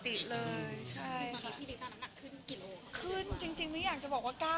ตกใจเหมือนกันค่ะ